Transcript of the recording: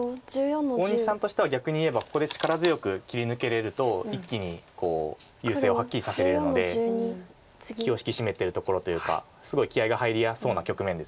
大西さんとしては逆にいえばここで力強く切り抜けれると一気に優勢をはっきりさせれるので気を引き締めてるところというかすごい気合いが入りやすそうな局面です白も。